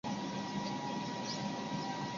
右图为将太空船从低轨道的霍曼转移轨道。